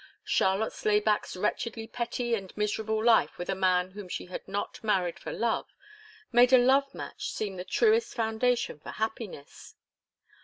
Charlotte Slayback's wretchedly petty and miserable life with a man whom she had not married for love, made a love match seem the truest foundation for happiness.